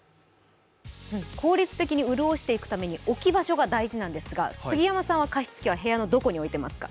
効率的に潤していくために置き場所が大事なんですが、杉山さんは加湿器は部屋のどこに置いていますか？